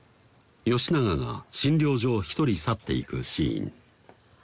吉永が診療所を一人去っていくシーン